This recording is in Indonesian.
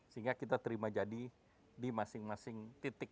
sehingga kita terima jadi di masing masing titik